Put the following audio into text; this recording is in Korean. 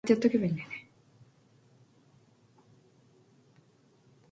옥점 어머니가 기운이 진하여 물러나며 머리를 매만진다.